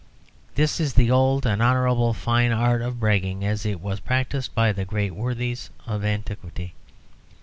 This is the old and honourable fine art of bragging, as it was practised by the great worthies of antiquity.